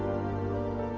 saya tidak tahu